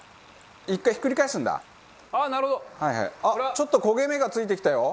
ちょっと焦げ目が付いてきたよ。